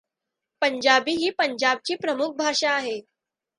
पंजाबी ही पंजाबची प्रमुख भाषा आहे.